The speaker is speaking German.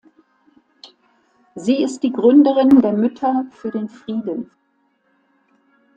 Sie ist die Gründerin der „Mütter für den Frieden“.